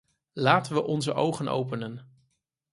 Laten we onze ogen openen.